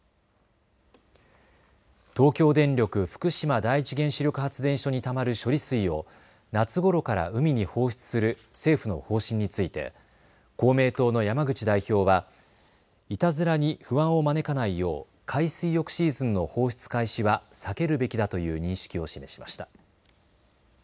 東京電力福島第一原子力発電所にたまる処理水を夏ごろから海に放出する政府の方針について公明党の山口代表はいたずらに不安を招かないよう海水浴シーズンの放出開始は避けるべきだという認識を示しました。